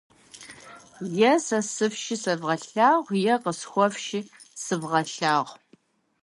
Е сэ сыфши сывгъэлъагъу, е къысхуэфши сывгъэлъагъу.